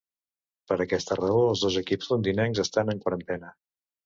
Per aquesta raó els dos equips londinencs estan en quarantena.